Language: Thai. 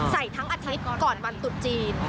ใส่ทั้งอาทิตย์ก่อนวันตุดจีน